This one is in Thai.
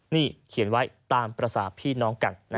นี่เขียนไว้ตามภาษาพี่น้องกัน